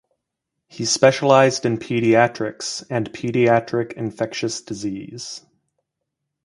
He specialized in pediatrics and pediatric infectious disease.